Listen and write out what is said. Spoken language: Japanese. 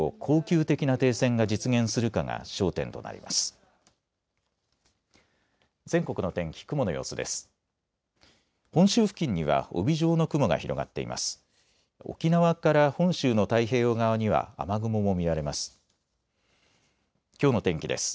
沖縄から本州の太平洋側には雨雲も見られます。